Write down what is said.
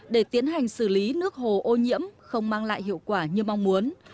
để tiến hành xử lý nước hồ ô nhiễm không mang lại hiệu quả như mong muốn